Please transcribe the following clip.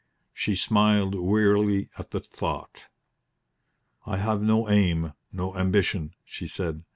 She smiled wearily at the thought. "I have no aim, no ambition," she said.